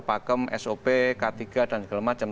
pakem sop k tiga dan segala macam